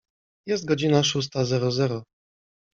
Jest godzina szósta zero zero.